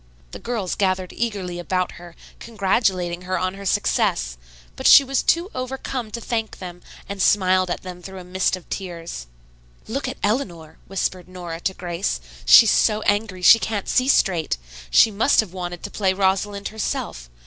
The girls gathered eagerly about her, congratulating her on her success, but she was too overcome to thank them, and smiled at them through a mist of tears. "Look at Eleanor," whispered Nora to Grace. "She's so angry she can't see straight. She must have wanted to play Rosalind herself.